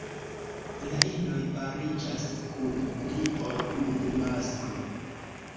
La inoj pariĝas kun pli ol unu masklo.